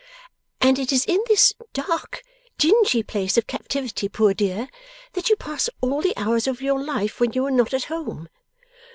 'And it is in this dark dingy place of captivity, poor dear, that you pass all the hours of your life when you are not at home?